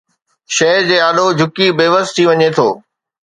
شيءِ جي آڏو جهڪي بيوس ٿي وڃي ٿو